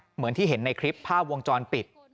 เหมือนที่เห็นในคลิปภาพวงจรปิด